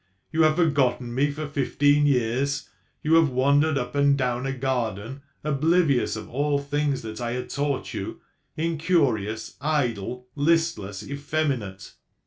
You have forgotten me for fifteen years; you have wandered up and down a garden, oblivious of all things that I had taught you, incurious, idle, listless, effeminate.